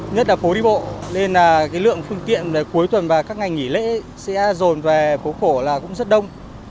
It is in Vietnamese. nhất là phố đi bộ nên lượng phương tiện cuối tuần và các ngày nghỉ lễ sẽ rồn về phố cổ là cũng rất đông